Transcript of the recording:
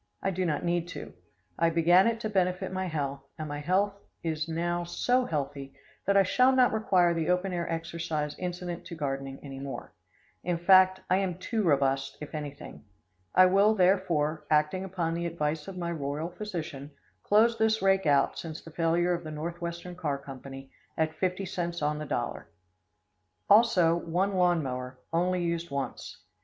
I do not need to. I began it to benefit my health, and my health is now so healthy that I shall not require the open air exercise incident to gardening any more. In fact, I am too robust, if anything. I will, therefore, acting upon the advice of my royal physician, close this rake out, since the failure of the Northwestern Car Company, at 50 cents on the dollar. Also one lawn mower, only used once.